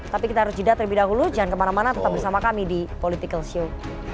tapi kita harus jeda terlebih dahulu jangan kemana mana tetap bersama kami di political show